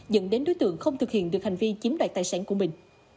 dẫn đến đối tượng không thực hiện được hành vi chiếm đoạt tài sản của mình